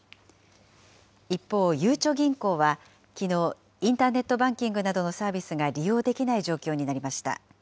一方、ゆうちょ銀行はきのう、インターネットバンキングなどのサービスが利用できない状況になりました。